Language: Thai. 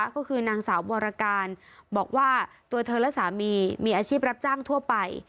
ก็คือนางสาววรการบอกว่าตัวเธอและสามีมีอาชีพรับจ้างทั่วไป